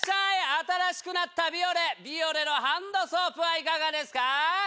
新しくなったビオレビオレのハンドソープはいかがですか？